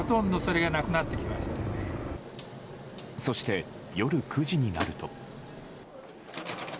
そして、夜９時になると。